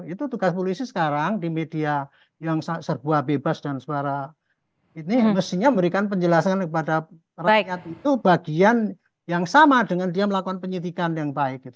itu tugas polisi sekarang di media yang serbuah bebas dan suara ini mestinya memberikan penjelasan kepada rakyat itu bagian yang sama dengan dia melakukan penyidikan yang baik